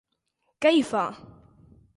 Què hi fa.